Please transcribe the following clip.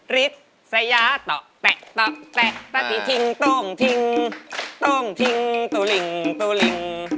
ริดสยาตะแปะตะแปะตะติทิ้งต้องทิ้งต้องทิ้งตู้ลิงตู้ลิง